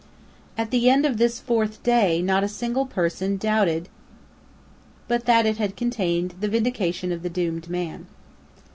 At the end of this fourth day not a single person doubted but that it contained the vindication of the doomed man.